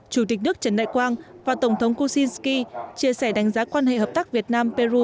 chủ tịch nước trần đại quang và tổng thống kuzinsky chia sẻ đánh giá quan hệ hợp tác việt nam peru